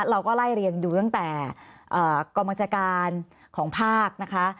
เราก็ไล่เรียงดูตั้งแต่กองบัญชาการของภาคนะคะ